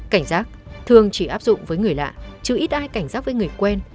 cảnh giác thường chỉ áp dụng với người lạ chứ ít ai cảnh giác với người quen